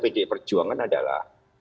pd perjuangan adalah